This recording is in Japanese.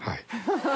ハハハ